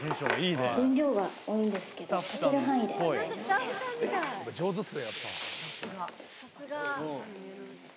分量が多いんですけど、書ける範囲で結構です。